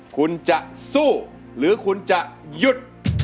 คุณจะสู้หรือคุณจะหยุด